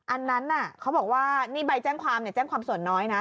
อันนั้นเขาบอกว่านี่ใบแจ้งความเนี่ยแจ้งความแจ้งความส่วนน้อยนะ